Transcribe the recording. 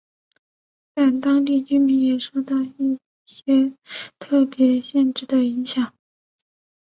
但当地居民也受一些特别限制的影响。